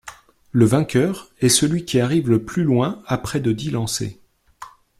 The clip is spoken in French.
Le vainqueur est celui qui arrive le plus loin après de dix lancers.